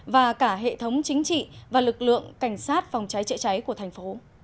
và cả hệ thống chính trị và lực lượng cảnh sát phòng cháy trợ cháy của tp hcm